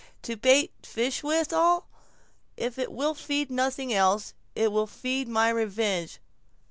—To bait fish withal; if it will feed nothing else, it will feed my revenge."